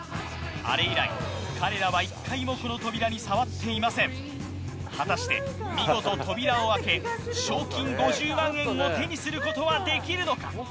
あれ以来彼らは一回もこの扉に触っていません果たして見事扉を開け賞金５０万円を手にすることはできるのか？